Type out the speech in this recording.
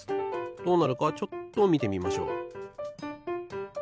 どうなるかちょっとみてみましょう。